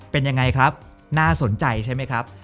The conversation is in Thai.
เป็นยังไงครับน่าสนใจใช่ไหมครับ